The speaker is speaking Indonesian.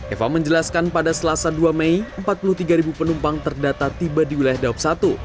eva menjelaskan pada selasa dua mei empat puluh tiga penumpang terdata tiba di wilayah daup satu